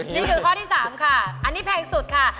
นี่คือข้อที่๓ค่ะอันนี้แพงสุดค่ะ